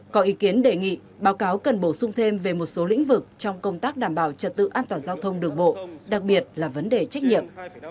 có ý kiến đề nghị báo cáo cần bổ sung thêm về một số lĩnh vực trong công tác đảm bảo trật tự an toàn giao thông đường bộ đặc biệt là vấn đề trách nhiệm